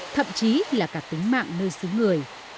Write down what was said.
thậm chí là cả tính mạng nơi xứ người